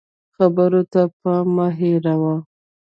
خبرو ته پام مه هېروه